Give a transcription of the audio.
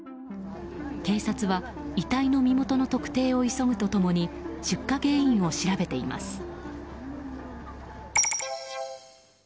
警察は遺体の身元の確認を急ぐと共に出火原因を調べています。